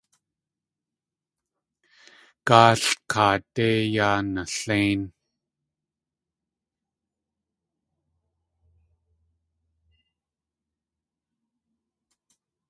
Gáalʼ kaadé yaa naléin.